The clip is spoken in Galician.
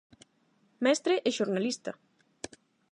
Mestre e xornalista.